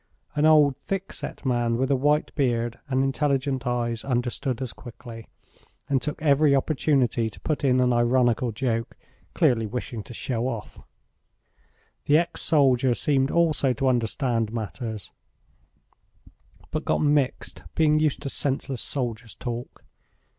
An old, thick set man with a white beard and intelligent eyes understood as quickly, and took every opportunity to put in an ironical joke, clearly wishing to show off. The ex soldier seemed also to understand matters, but got mixed, being used to senseless soldiers' talk.